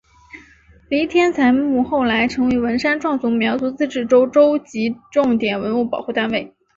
黎天才墓后来成为文山壮族苗族自治州州级重点文物保护单位。